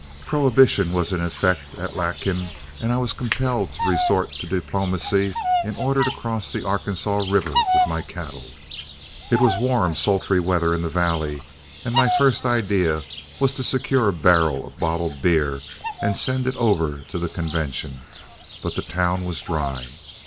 Prohibition was in effect at Lakin, and I was compelled to resort to diplomacy in order to cross the Arkansas River with my cattle. It was warm, sultry weather in the valley, and my first idea was to secure a barrel of bottled beer and send it over to the convention, but the town was dry.